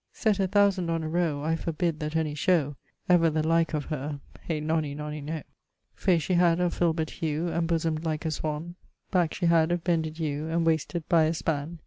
Sett a thousand on a rowe I forbid that any showe Ever the like of her Hey nonny nonny noe. Face she had of filberd hue, And bosom'd like a swan; Back she had of bended ewe, And wasted by a span.